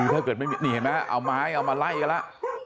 ถ้าเกิดไม่มีนี่เห็นไหมเอาไม้เอามาไล่กันแล้ว